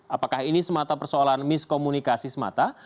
apakah ini semata persoalan miskomunikasi semata